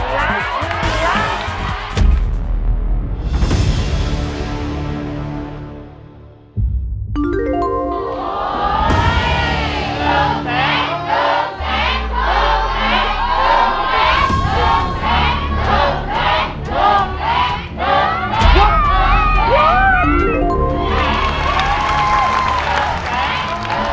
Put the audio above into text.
มาก